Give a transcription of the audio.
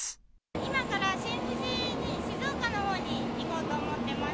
今から新富士に、静岡のほうに行こうと思ってます。